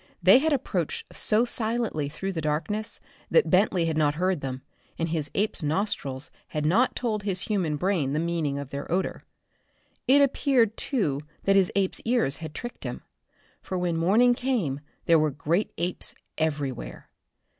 They had approached so silently through the darkness that Bentley had not heard them, and his ape's nostrils had not told his human brain the meaning of their odor. It appeared too that his ape's ears had tricked him. For when morning came there were great apes everywhere.